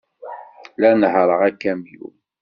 La nehhṛeɣ akamyun.